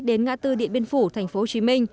đến ngã tư điện biên phủ tp hcm